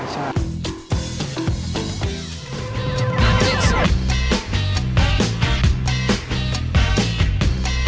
ใช่